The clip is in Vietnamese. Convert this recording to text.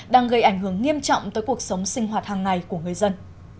đang gây ảnh hưởng nghiêm trọng tới cuộc sống sinh hoạt hàng ngày của người dân